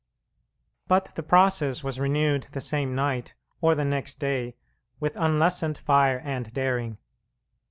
But the process was renewed the same night or the next day with unlessened fire and daring.